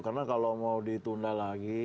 karena kalau mau ditunda lagi